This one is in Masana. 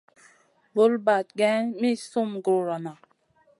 Vul bahd geyn mi sum gurona.